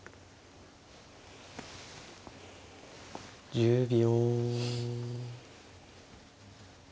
１０秒。